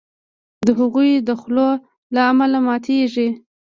د هغوی د خولو له امله ماتیږي.